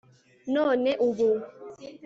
none ubu